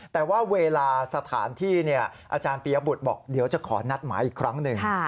แต่ว่าเวลาสถานที่อาจารย์ปียบุตรบอกเดี๋ยวจะขอนัดหมายอีกครั้งหนึ่ง